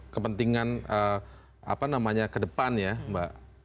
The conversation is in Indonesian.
kepentingan apa namanya kedepannya mbak